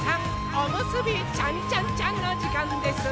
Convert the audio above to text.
おむすびちゃんちゃんちゃんのじかんです！